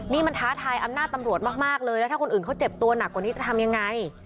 นี่มันท้าทายอำนาจตำรวจมากเลยแล้วถ้าคนอื่นเขาเจ็บตัวหนักกว่านี้จะทำยังไง